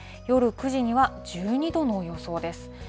夜９時には１２度の予想です。